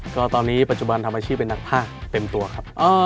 ก็ตอนนี้ปัจจุบันทำอาชีพเป็นนักภาคเต็มตัวครับ